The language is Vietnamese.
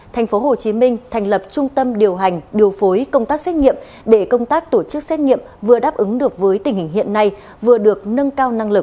tp hcm thành lập trung tâm điều hành điều phối công tác xét nghiệm để công tác tổ chức xét nghiệm vừa đáp ứng được với tình hình hiện nay vừa được nâng cao năng lực